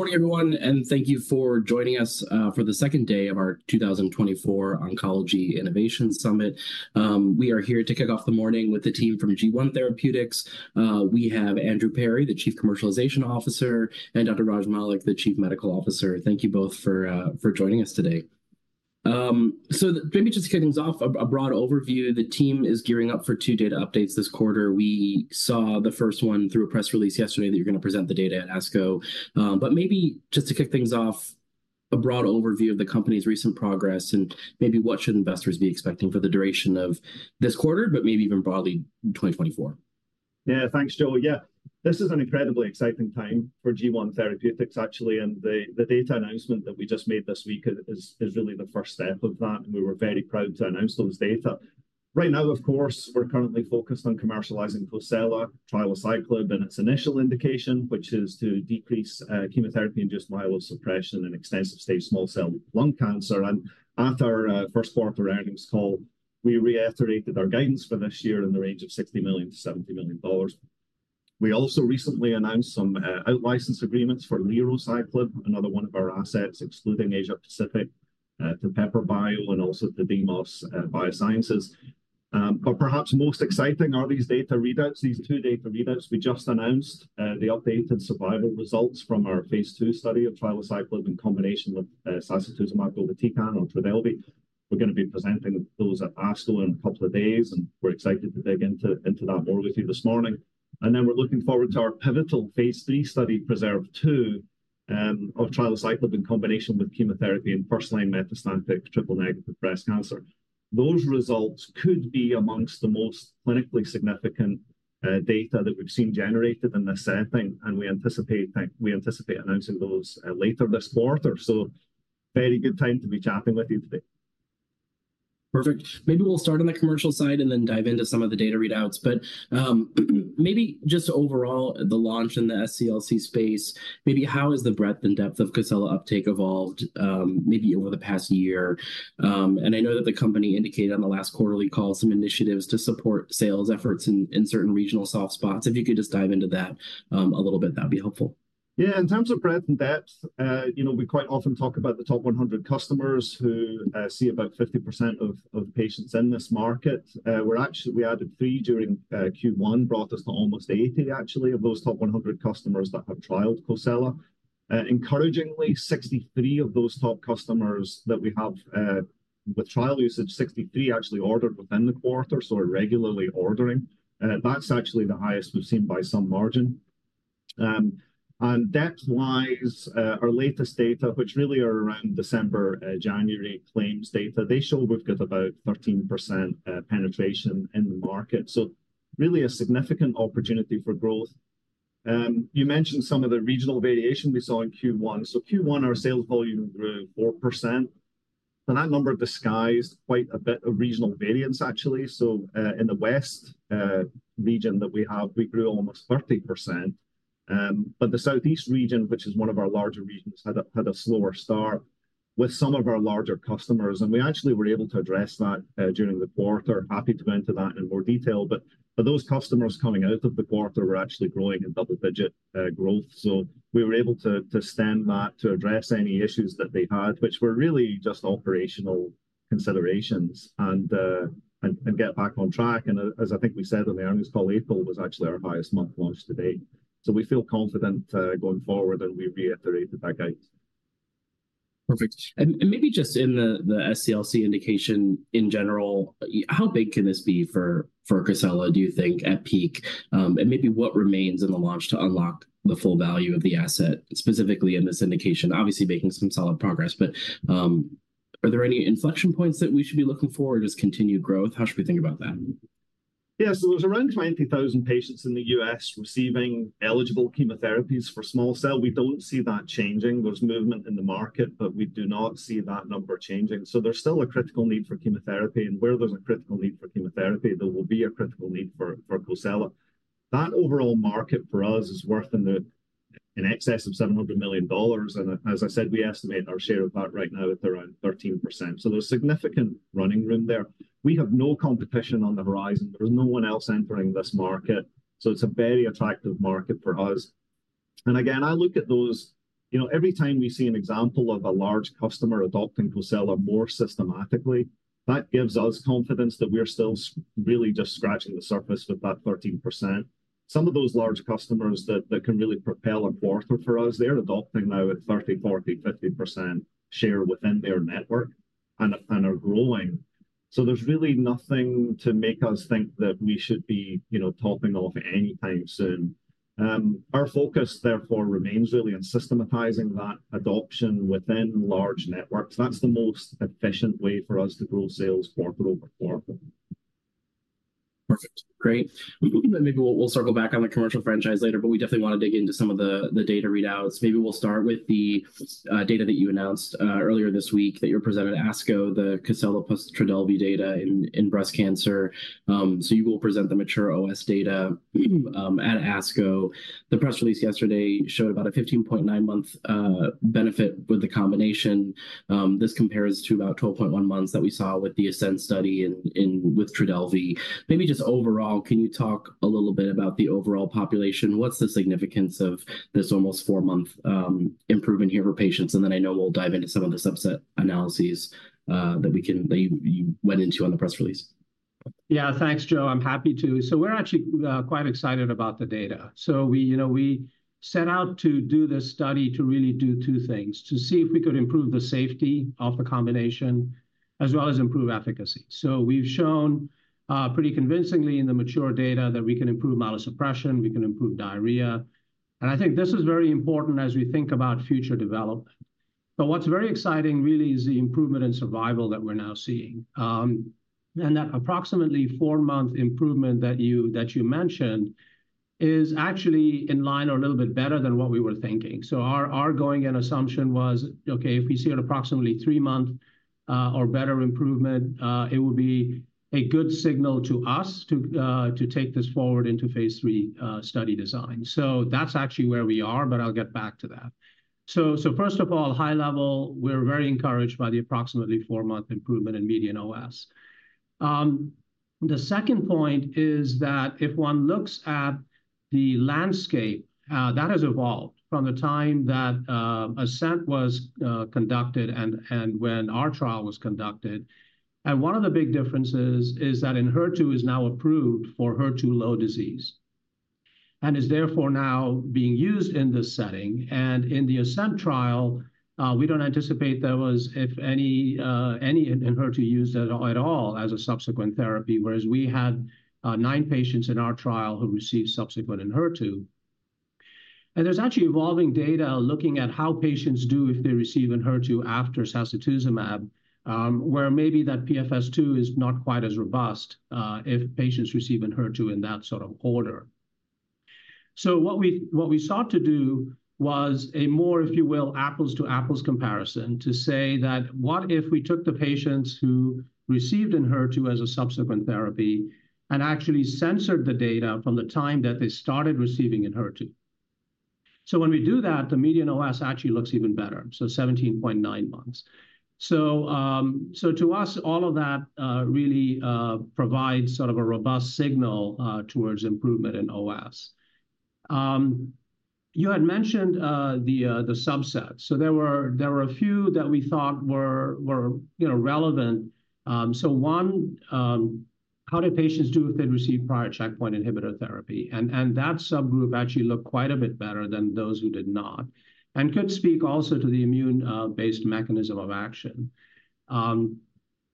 Good morning, everyone, and thank you for joining us for the second day of our 2024 Oncology Innovation Summit. We are here to kick off the morning with the team from G1 Therapeutics. We have Andrew Perry, the Chief Commercial Officer, and Dr. Raj Malik, the Chief Medical Officer. Thank you both for joining us today. So maybe just to kick things off, a broad overview. The team is gearing up for two data updates this quarter. We saw the first one through a press release yesterday that you're going to present the data at ASCO. But maybe just to kick things off, a broad overview of the company's recent progress, and maybe what should investors be expecting for the duration of this quarter, but maybe even broadly in 2024? Yeah, thanks, Joe. Yeah. This is an incredibly exciting time for G1 Therapeutics, actually, and the data announcement that we just made this week is really the first step of that, and we were very proud to announce those data. Right now, of course, we're currently focused on commercializing Cosela, trilaciclib, and its initial indication, which is to decrease chemotherapy-induced myelosuppression in extensive-stage small cell lung cancer. And at our first quarter earnings call, we reiterated our guidance for this year in the range of $60 million-$70 million. We also recently announced some out-license agreements for lerociclib, another one of our assets, excluding Asia Pacific, to Pepper Bio and also to Demos Biosciences. But perhaps most exciting are these data readouts, these two data readouts we just announced, the updated survival results from our phase II study of trilaciclib in combination with sacituzumab govitecan or Trodelvy. We're going to be presenting those at ASCO in a couple of days, and we're excited to dig into that more with you this morning. Then we're looking forward to our pivotal phase III study, PRESERVE 2, of trilaciclib in combination with chemotherapy in first-line metastatic triple-negative breast cancer. Those results could be among the most clinically significant data that we've seen generated in this setting, and we anticipate announcing those later this quarter. So very good time to be chatting with you today. Perfect. Maybe we'll start on the commercial side and then dive into some of the data readouts. But, maybe just overall, the launch in the SCLC space, maybe how has the breadth and depth of Cosela uptake evolved, maybe over the past year? I know that the company indicated on the last quarterly call some initiatives to support sales efforts in certain regional soft spots. If you could just dive into that, a little bit, that'd be helpful. Yeah, in terms of breadth and depth, you know, we quite often talk about the top 100 customers who see about 50% of patients in this market. We added three during Q1, brought us to almost 80, actually, of those top 100 customers that have trialed Cosela. Encouragingly, 63 of those top customers that we have with trial usage, 63 actually ordered within the quarter, so are regularly ordering, and that's actually the highest we've seen by some margin. Depth-wise, our latest data, which really are around December, January claims data, they show we've got about 13% penetration in the market, so really a significant opportunity for growth. You mentioned some of the regional variation we saw in Q1. So Q1, our sales volume grew 4%, and that number disguised quite a bit of regional variance, actually. So, in the West region that we have, we grew almost 30%. But the Southeast region, which is one of our larger regions, had a slower start with some of our larger customers, and we actually were able to address that during the quarter. Happy to go into that in more detail. But those customers coming out of the quarter were actually growing in double-digit growth. So we were able to stem that to address any issues that they had, which were really just operational considerations, and get back on track. And as I think we said on the earnings call, April was actually our highest month launch to date. We feel confident, going forward, and we reiterated that guide. Perfect. And maybe just in the SCLC indication in general, how big can this be for Cosela, do you think, at peak? And maybe what remains in the launch to unlock the full value of the asset, specifically in this indication? Obviously, making some solid progress, but are there any inflection points that we should be looking for or just continued growth? How should we think about that? Yeah, so there's around 20,000 patients in the U.S. receiving eligible chemotherapies for small cell. We don't see that changing. There's movement in the market, but we do not see that number changing. So there's still a critical need for chemotherapy, and where there's a critical need for chemotherapy, there will be a critical need for, for Cosela. That overall market for us is worth in the, in excess of $700 million, and as I said, we estimate our share of that right now at around 13%. So there's significant running room there. We have no competition on the horizon. There's no one else entering this market, so it's a very attractive market for us. And again, I look at those... You know, every time we see an example of a large customer adopting Cosela more systematically, that gives us confidence that we're still really just scratching the surface of that 13%. Some of those large customers that can really propel a quarter for us, they're adopting now at 30%, 40%, 50% share within their network and are growing. So there's really nothing to make us think that we should be, you know, topping off anytime soon. Our focus, therefore, remains really in systematizing that adoption within large networks. That's the most efficient way for us to grow sales quarter over quarter. Perfect. Great. Maybe we'll circle back on the commercial franchise later, but we definitely want to dig into some of the data readouts. Maybe we'll start with the data that you announced earlier this week that you presented at ASCO, the Cosela plus Trodelvy data in breast cancer. So you will present the mature OS data at ASCO. The press release yesterday showed about a 15.9-month benefit with the combination. This compares to about 12.1 months that we saw with the ASCENT study with Trodelvy. Maybe just overall, can you talk a little bit about the overall population? What's the significance of this almost four month improvement here for patients? And then I know we'll dive into some of the subset analyses that you, you went into on the press release.... Yeah, thanks, Joe. I'm happy to. So we're actually quite excited about the data. So we, you know, we set out to do this study to really do two things: to see if we could improve the safety of the combination, as well as improve efficacy. So we've shown pretty convincingly in the mature data that we can improve myelosuppression, we can improve diarrhea, and I think this is very important as we think about future development. But what's very exciting really is the improvement in survival that we're now seeing. And that approximately four month improvement that you mentioned is actually in line or a little bit better than what we were thinking. So our going-in assumption was, okay, if we see an approximately three month or better improvement, it would be a good signal to us to take this forward into Phase III study design. So that's actually where we are, but I'll get back to that. So first of all, high level, we're very encouraged by the approximately four month improvement in median OS. The second point is that if one looks at the landscape that has evolved from the time that ASCENT was conducted and when our trial was conducted, and one of the big differences is that Enhertu is now approved for HER2-low disease, and is therefore now being used in this setting. In the ASCENT trial, we don't anticipate there was, if any, any Enhertu used at all as a subsequent therapy, whereas we had nine patients in our trial who received subsequent Enhertu. And there's actually evolving data looking at how patients do if they receive Enhertu after sacituzumab, where maybe that PFS2 is not quite as robust if patients receive Enhertu in that sort of order. So what we, what we sought to do was a more, if you will, apples-to-apples comparison, to say that, what if we took the patients who received Enhertu as a subsequent therapy and actually censored the data from the time that they started receiving Enhertu? So when we do that, the median OS actually looks even better, so 17.9 months. So, so to us, all of that really provides sort of a robust signal towards improvement in OS. You had mentioned the subset. So there were a few that we thought were, you know, relevant. So one, how did patients do if they'd received prior checkpoint inhibitor therapy? And that subgroup actually looked quite a bit better than those who did not, and could speak also to the immune based mechanism of action.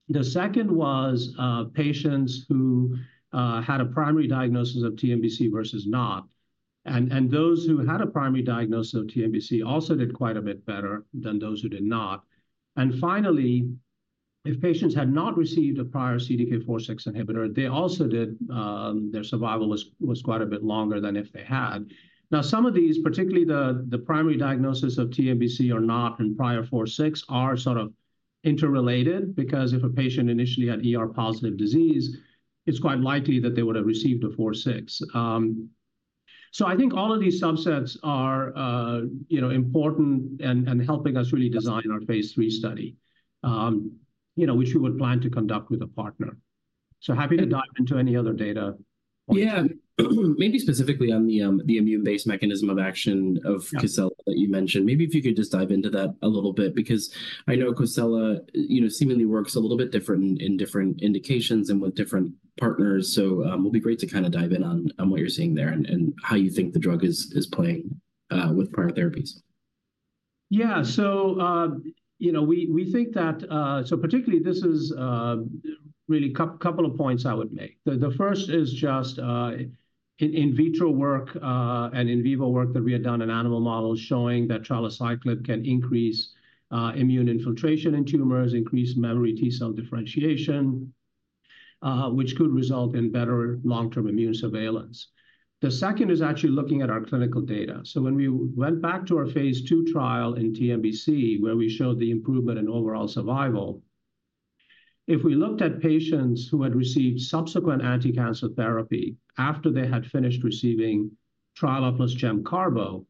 The second was patients who had a primary diagnosis of TNBC versus not, and those who had a primary diagnosis of TNBC also did quite a bit better than those who did not. And finally, if patients had not received a prior CDK4/6 inhibitor, they also did... Their survival was quite a bit longer than if they had. Now, some of these, particularly the primary diagnosis of TNBC or not in prior 4/6, are sort of interrelated, because if a patient initially had ER-positive disease, it's quite likely that they would have received a 4/6. So I think all of these subsets are, you know, important and helping us really design our phase III study, you know, which we would plan to conduct with a partner. So happy to dive into any other data. Yeah. Maybe specifically on the immune-based mechanism of action of Cosela- Yeah... that you mentioned. Maybe if you could just dive into that a little bit, because I know Cosela, you know, seemingly works a little bit different in different indications and with different partners. So, it'll be great to kinda dive in on what you're seeing there and how you think the drug is playing with prior therapies. Yeah. So, you know, we think that. So particularly, this is really a couple of points I would make. The first is just in vitro work and in vivo work that we had done in animal models showing that trilaciclib can increase immune infiltration in tumors, increase memory T cell differentiation, which could result in better long-term immune surveillance. The second is actually looking at our clinical data. So when we went back to our Phase II trial in TNBC, where we showed the improvement in overall survival, if we looked at patients who had received subsequent anticancer therapy after they had finished receiving trilaciclib plus gemcarbo,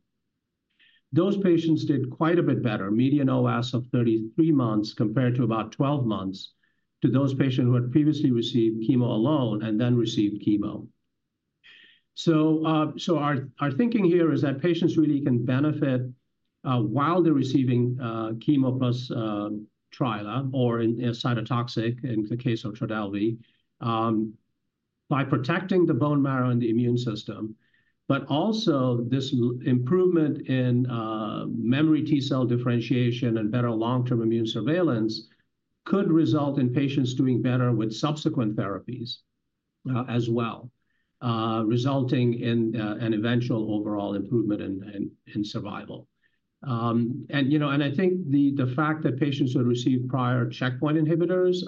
those patients did quite a bit better, median OS of 33 months, compared to about 12 months to those patients who had previously received chemo alone and then received chemo. So, our thinking here is that patients really can benefit while they're receiving chemo plus trilaciclib or a cytotoxic, in the case of Trodelvy, by protecting the bone marrow and the immune system. But also, this improvement in memory T cell differentiation and better long-term immune surveillance could result in patients doing better with subsequent therapies as well, resulting in an eventual overall improvement in survival. And, you know, I think the fact that patients who had received prior checkpoint inhibitors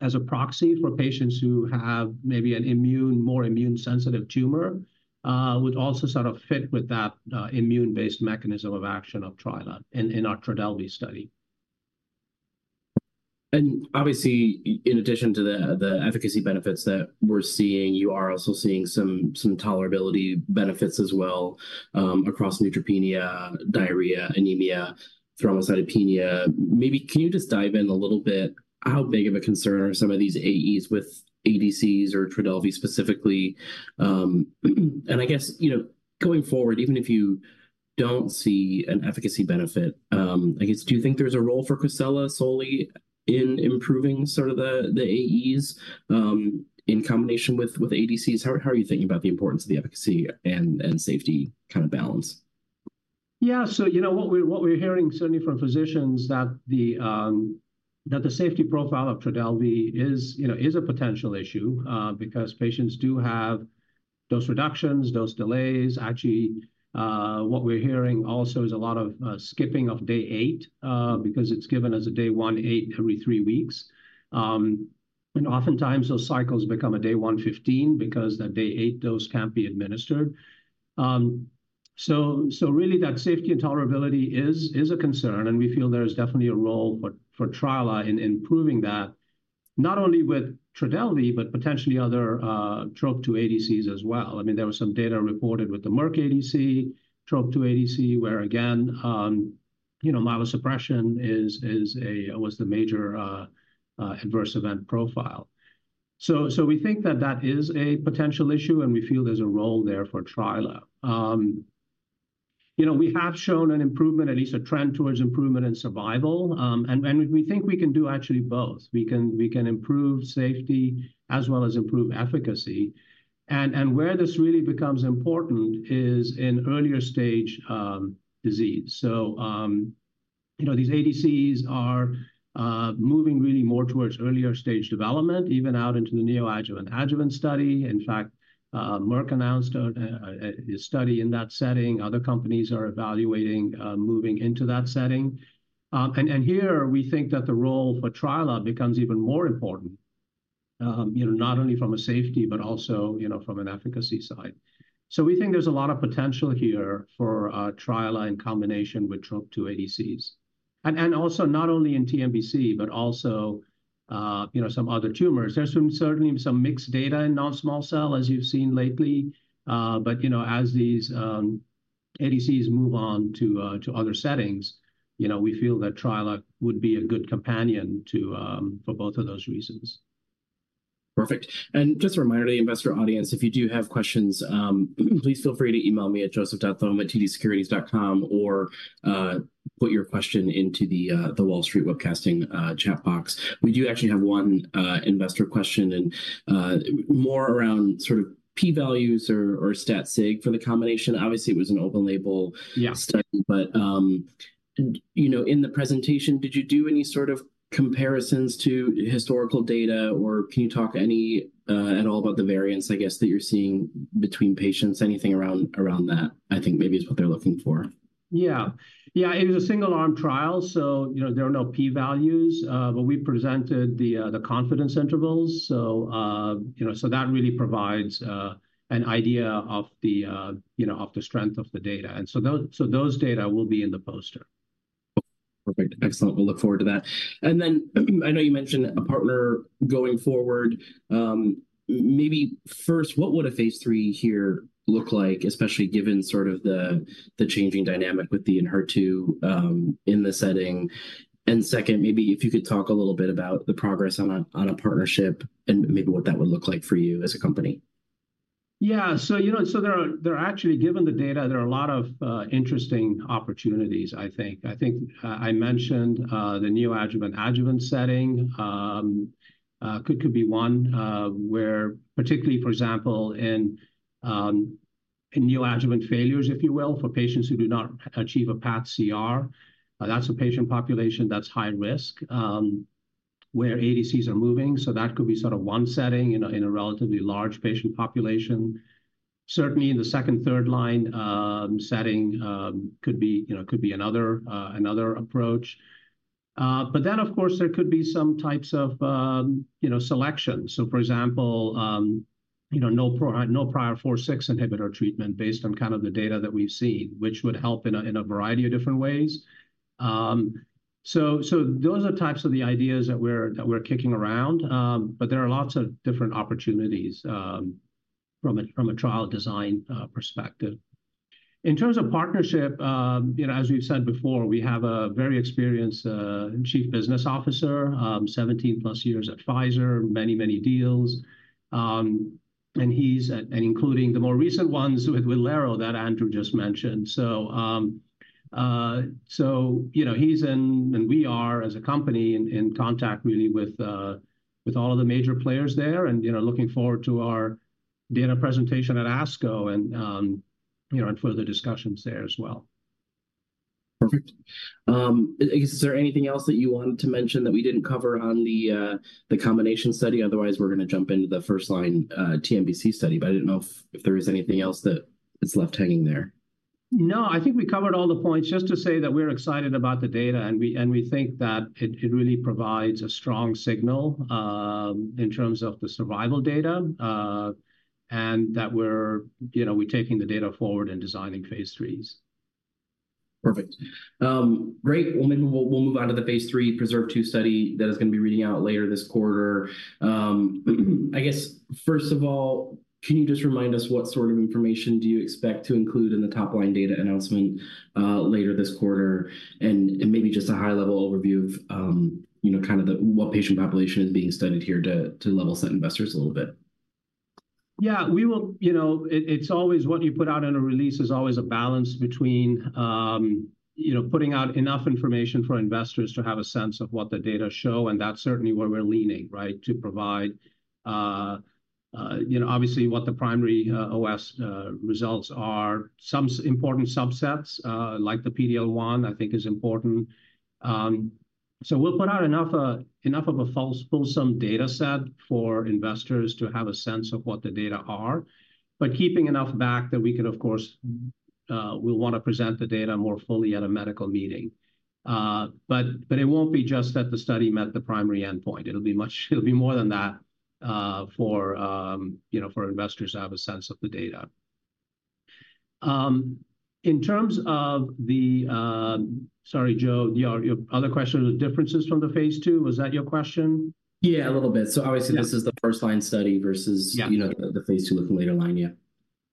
as a proxy for patients who have maybe a more immune-sensitive tumor would also sort of fit with that immune-based mechanism of action of trilaciclib in our Trodelvy study. Obviously, in addition to the efficacy benefits that we're seeing, you are also seeing some tolerability benefits as well across neutropenia, diarrhea, anemia, thrombocytopenia. Maybe can you just dive in a little bit, how big of a concern are some of these AEs with ADCs or Trodelvy specifically? And I guess, you know, going forward, even if you don't see an efficacy benefit, do you think there's a role for Cosela solely in improving sort of the AEs in combination with ADCs? How are you thinking about the importance of the efficacy and safety kind of balance? Yeah. So, you know, what we're hearing certainly from physicians that the safety profile of Trodelvy is, you know, a potential issue because patients do have dose reductions, dose delays. Actually, what we're hearing also is a lot of skipping of day eight because it's given as a day one, eight every three weeks. And oftentimes, those cycles become a day one, 15 because the day eight dose can't be administered. So really, that safety and tolerability is a concern, and we feel there is definitely a role for trilaciclib in improving that, not only with Trodelvy, but potentially other Trop-2 ADCs as well. I mean, there was some data reported with the Merck ADC, Trop-2 ADC, where again, you know, myelosuppression is, is a, was the major adverse event profile. So, so we think that that is a potential issue, and we feel there's a role there for trilaciclib. You know, we have shown an improvement, at least a trend towards improvement in survival, and, and we think we can do actually both. We can, we can improve safety as well as improve efficacy. And, and where this really becomes important is in earlier stage disease. So, you know, these ADCs are moving really more towards earlier stage development, even out into the neoadjuvant adjuvant study. In fact, Merck announced a study in that setting. Other companies are evaluating moving into that setting. And here, we think that the role for Trila becomes even more important, you know, not only from a safety, but also, you know, from an efficacy side. So we think there's a lot of potential here for Trila in combination with Trop-2 ADCs. And also not only in TNBC, but also, you know, some other tumors. There's some, certainly some mixed data in non-small cell, as you've seen lately. But, you know, as these ADCs move on to to other settings, you know, we feel that Trila would be a good companion to for both of those reasons. Perfect. And just a reminder to the investor audience, if you do have questions, please feel free to email me at Joseph.Thoma@tdsecurities.com, or put your question into the Wall Street Webcasting chat box. We do actually have one investor question, and more around sort of p-values or stat sig for the combination. Obviously, it was an open-label- Yeah... study, but you know, in the presentation, did you do any sort of comparisons to historical data, or can you talk any at all about the variants, I guess, that you're seeing between patients? Anything around that, I think maybe is what they're looking for. Yeah. Yeah, it was a single-arm trial, so, you know, there are no p-values. But we presented the confidence intervals. So, you know, so that really provides an idea of the strength of the data. And so those data will be in the poster. Perfect. Excellent. We'll look forward to that. And then, I know you mentioned a partner going forward. Maybe first, what would a Phase III here look like, especially given sort of the changing dynamic with the HER2 in the setting? And second, maybe if you could talk a little bit about the progress on a partnership, and maybe what that would look like for you as a company. Yeah. So, you know, so there are actually, given the data, there are a lot of interesting opportunities, I think. I think I mentioned the neoadjuvant adjuvant setting could be one where, particularly, for example, in neoadjuvant failures, if you will, for patients who do not achieve a path CR, that's a patient population that's high risk, where ADCs are moving. So that could be sort of one setting, you know, in a relatively large patient population. Certainly, in the second, third line setting, could be, you know, could be another approach. But then, of course, there could be some types of, you know, selection. So for example, you know, no prior, no prior 4-6 inhibitor treatment based on kind of the data that we've seen, which would help in a, in a variety of different ways. So, so those are types of the ideas that we're, that we're kicking around, but there are lots of different opportunities, from a, from a trial design, perspective. In terms of partnership, you know, as we've said before, we have a very experienced, chief business officer, 17+ years at Pfizer, many, many deals. And he's at- and including the more recent ones with, with lerociclib that Andrew just mentioned. You know, he's in, and we are, as a company, in contact really with all of the major players there and, you know, looking forward to our data presentation at ASCO and, you know, and further discussions there as well. Perfect. Is there anything else that you wanted to mention that we didn't cover on the combination study? Otherwise, we're gonna jump into the first-line TNBC study, but I didn't know if there is anything else that is left hanging there. No, I think we covered all the points. Just to say that we're excited about the data, and we think that it really provides a strong signal in terms of the survival data, and that, you know, we're taking the data forward and designing phase IIIs.... Perfect. Great. Well, maybe we'll move on to the phase III PRESERVE 2 study that is gonna be reading out later this quarter. I guess, first of all, can you just remind us what sort of information do you expect to include in the top-line data announcement later this quarter? And maybe just a high-level overview of, you know, kind of the, what patient population is being studied here to level set investors a little bit. Yeah, we will, you know, it's always what you put out in a release is always a balance between, you know, putting out enough information for investors to have a sense of what the data show, and that's certainly where we're leaning, right? To provide, you know, obviously, what the primary, OS, results are. Some important subsets, like the PD-L1, I think is important. So we'll put out enough, enough of a full, fulsome data set for investors to have a sense of what the data are, but keeping enough back that we could, of course, we'll wanna present the data more fully at a medical meeting. But, but it won't be just that the study met the primary endpoint. It'll be much, it'll be more than that, for, you know, for investors to have a sense of the data. In terms of the, Sorry, Joe, your, your other question was the differences from the Phase II, was that your question? Yeah, a little bit. Yeah. Obviously, this is the first-line study versus- Yeah... you know, the Phase II with later-line, yeah.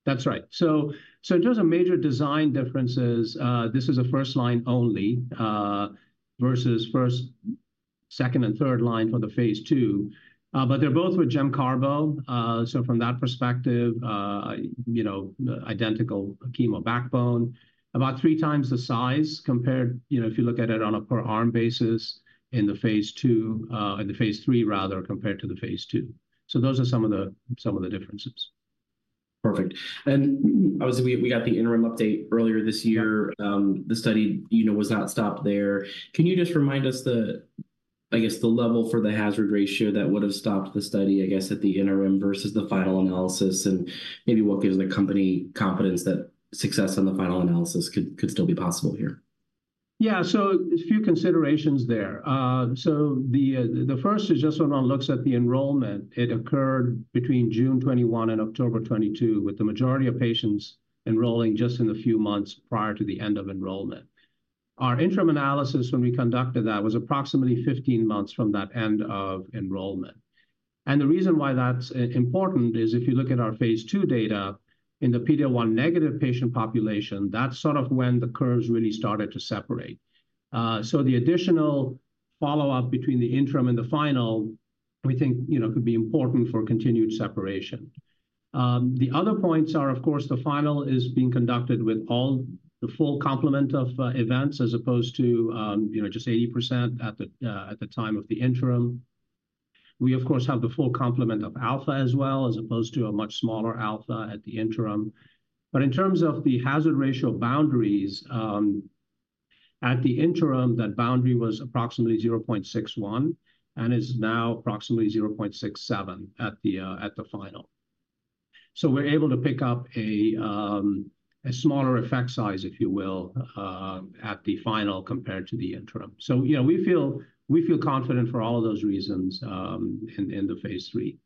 That's right. So in terms of major design differences, this is a first line only versus first, second, and third line for the phase II. But they're both with gemcarbo. So from that perspective, you know, identical chemo backbone. About three times the size compared, you know, if you look at it on a per arm basis in the phase III, rather, compared to the phase II. So those are some of the differences. Perfect. And obviously, we got the interim update earlier this year. Yeah. The study, you know, was not stopped there. Can you just remind us the, I guess, the level for the hazard ratio that would've stopped the study, I guess, at the interim versus the final analysis, and maybe what gives the company confidence that success on the final analysis could still be possible here? Yeah, so a few considerations there. So the first is just when one looks at the enrollment. It occurred between June 2021 and October 2022, with the majority of patients enrolling just in the few months prior to the end of enrollment. Our interim analysis, when we conducted that, was approximately 15 months from that end of enrollment. And the reason why that's important is, if you look at our Phase II data, in the PDL-1 negative patient population, that's sort of when the curves really started to separate. So the additional follow-up between the interim and the final, we think, you know, could be important for continued separation. The other points are, of course, the final is being conducted with all, the full complement of events, as opposed to, you know, just 80% at the time of the interim. We, of course, have the full complement of alpha as well, as opposed to a much smaller alpha at the interim. But in terms of the hazard ratio boundaries, at the interim, that boundary was approximately 0.61 and is now approximately 0.67 at the final. So we're able to pick up a smaller effect size, if you will, at the final compared to the interim. So you know, we feel confident for all of those reasons, in the Phase III.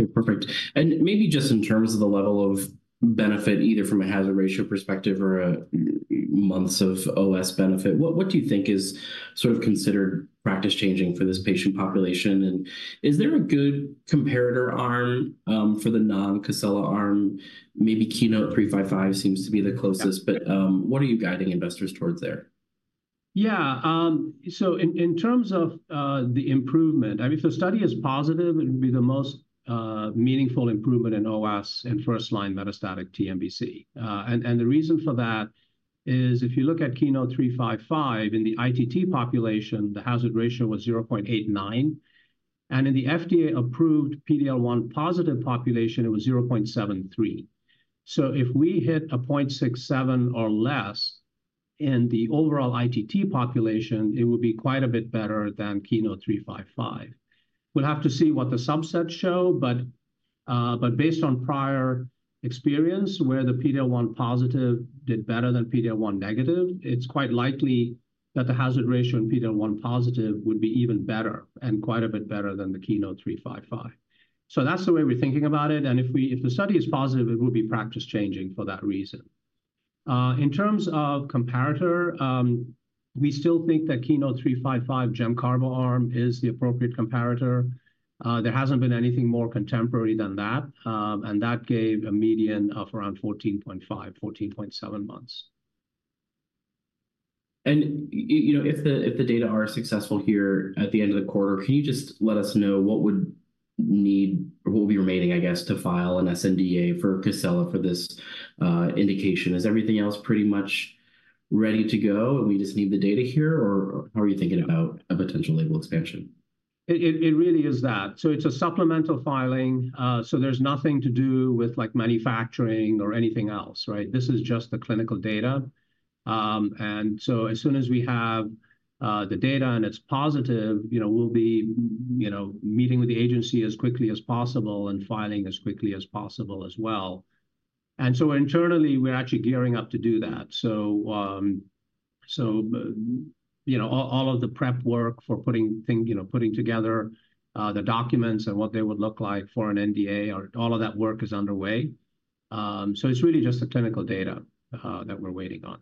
Okay, perfect. And maybe just in terms of the level of benefit, either from a hazard ratio perspective or a months of OS benefit, what, what do you think is sort of considered practice-changing for this patient population? And is there a good comparator arm, for the non-Cosela arm? Maybe Keynote-355 seems to be the closest. What are you guiding investors towards there? Yeah, so in terms of the improvement, I mean, if the study is positive, it would be the most meaningful improvement in OS in first-line metastatic TNBC. And the reason for that is, if you look at Keynote-355 in the ITT population, the hazard ratio was 0.89, and in the FDA-approved PD-L1 positive population, it was 0.73. So if we hit 0.67 or less in the overall ITT population, it would be quite a bit better than Keynote-355. We'll have to see what the subsets show, but based on prior experience, where the PD-L1 positive did better than PD-L1 negative, it's quite likely that the hazard ratio in PD-L1 positive would be even better, and quite a bit better than the Keynote-355. So that's the way we're thinking about it, and if the study is positive, it will be practice-changing for that reason. In terms of comparator, we still think that Keynote-355 gemcarbo arm is the appropriate comparator. There hasn't been anything more contemporary than that, and that gave a median of around 14.5, 14.7 months. You know, if the data are successful here at the end of the quarter, can you just let us know what would need, or what will be remaining, I guess, to file an sNDA for Cosela for this indication? Is everything else pretty much ready to go, and we just need the data here, or how are you thinking about a potential label expansion? It really is that. So it's a supplemental filing. So there's nothing to do with, like, manufacturing or anything else, right? This is just the clinical data. And so as soon as we have the data, and it's positive, you know, we'll be, you know, meeting with the agency as quickly as possible and filing as quickly as possible as well. And so internally, we're actually gearing up to do that. So, you know, all of the prep work for putting, you know, putting together the documents and what they would look like for an NDA. All of that work is underway. So it's really just the clinical data that we're waiting on.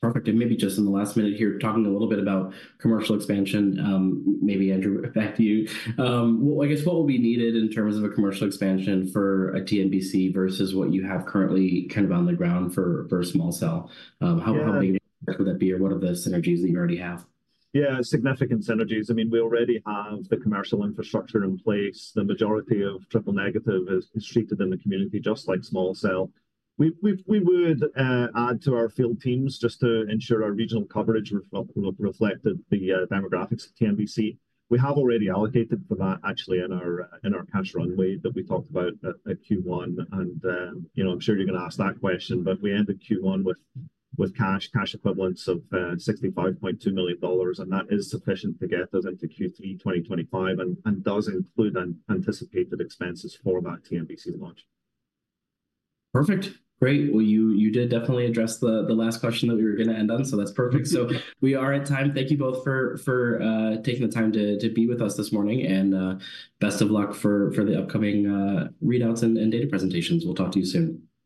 Perfect. And maybe just in the last minute here, talking a little bit about commercial expansion, maybe, Andrew, back to you. Well, I guess what will be needed in terms of a commercial expansion for a TNBC versus what you have currently kind of on the ground for small cell?... how big would that be, or what are the synergies that you already have? Yeah, significant synergies. I mean, we already have the commercial infrastructure in place. The majority of triple-negative is treated in the community just like small cell. We would add to our field teams just to ensure our regional coverage reflected the demographics of TNBC. We have already allocated for that, actually, in our cash runway that we talked about at Q1. And, you know, I'm sure you're gonna ask that question, but we ended Q1 with cash equivalents of $65.2 million, and that is sufficient to get us into Q3 2025, and does include anticipated expenses for that TNBC launch. Perfect. Great. Well, you did definitely address the last question that we were gonna end on, so that's perfect. So we are at time. Thank you both for taking the time to be with us this morning, and best of luck for the upcoming readouts and data presentations. We'll talk to you soon.